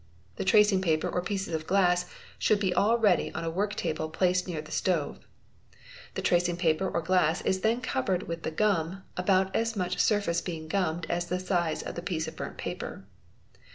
The tracing paper or pieces of glass should be all ready on a work table placed near he stove. The tracing paper or glass is then covered with the gum, about as much surface being gummed as the size of the piece of LOTS AL) OL RTE Oe pra Bete burnt paper.